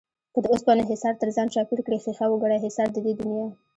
که د اوسپنو حِصار تر ځان چاپېر کړې ښيښه وگڼه حِصار د دې دنيا